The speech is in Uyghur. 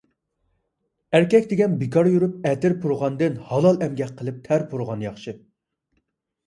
ئەركەك دېگەن بىكار يۈرۈپ ئەتىر پۇرىغاندىن، ھالال ئەمگەك قىلىپ تەر پۇرىغان ياخشى.